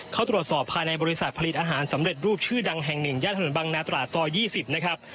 เขาตรวจสอบภายในบริษัทผลิตอาหารสำเร็จรูปชื่อดังแห่งหนึ่งย่านถนนบางนาตราสตรา๒๐